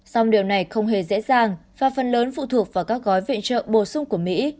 song điều này không hề dễ dàng và phần lớn phụ thuộc vào các gói viện trợ bổ sung của mỹ